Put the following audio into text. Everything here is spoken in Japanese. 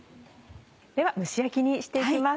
では蒸し焼きにして行きます。